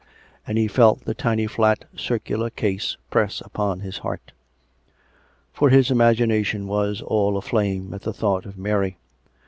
. and he felt the tiny flat circular case press upon his heart. ... For his imagination was all aflame at the thought of Mary.